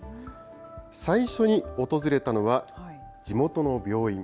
最初に訪れたのは、地元の病院。